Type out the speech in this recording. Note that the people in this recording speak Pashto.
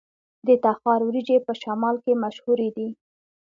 د تخار وریجې په شمال کې مشهورې دي.